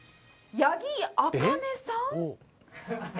八木あかねさん？